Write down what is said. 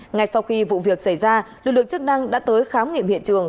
ngay sau khi vụ việc xảy ra lực lượng chức năng đã tới khám nghiệm hiện trường